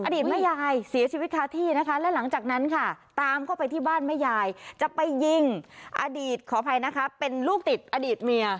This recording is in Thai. ตแม่ยายเสียชีวิตคาที่นะคะและหลังจากนั้นค่ะตามเข้าไปที่บ้านแม่ยายจะไปยิงอดีตขออภัยนะคะเป็นลูกติดอดีตเมีย